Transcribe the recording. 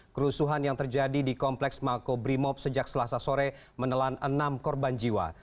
kerusuhan yang terjadi di kompleks makobrimob sejak selasa sore menelan enam korban jiwa